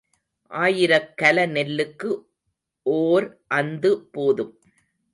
ஆயிரக் கல நெல்லுக்கு ஓர் அந்து போதும்.